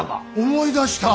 思い出した！